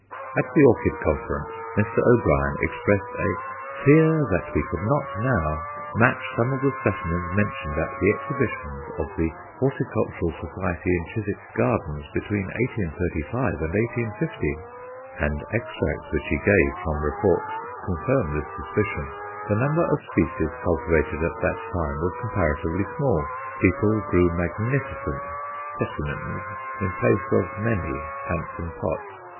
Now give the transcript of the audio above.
At the Orchid Conference, Mr. O'Brien expressed a "fear that we could not now match some of the specimens mentioned at the exhibitions of the Horticultural Society in Chiswick Gardens between 1835 and 1850;" and extracts which he gave from reports confirm this suspicion. The number of species cultivated at that time was comparatively small. People grew magnificent "specimens" in place of many handsome pots.